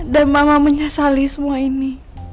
dan mama menyesali semua ini